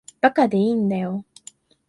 馬鹿でいいんだよ。